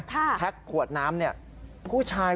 และแพ็กขวดน้ำคุณเอง